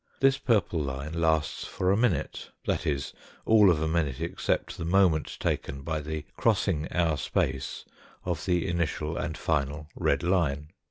This purple line lasts for a minute that is, all of a minute, except the moment taken by the crossing our space of the initial and final red line.